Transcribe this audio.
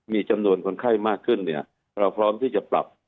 มีจำนวนคนไข้มากขึ้นเนี่ยเราพร้อมที่จะปรับ